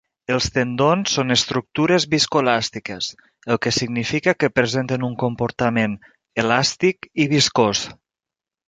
Els tendons són estructures viscoelàstiques, el que significa que presenten un comportament elàstic i viscós.